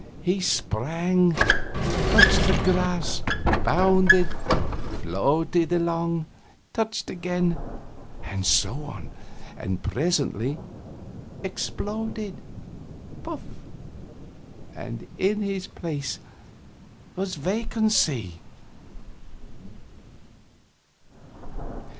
He sprang touched the grass bounded floated along touched again and so on, and presently exploded puff! and in his place was vacancy.